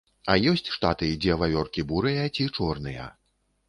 А ёсць штаты, дзе вавёркі бурыя ці чорныя.